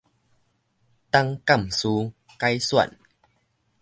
董監事改選